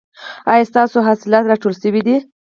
ایا ستاسو حاصلات راټول شوي دي؟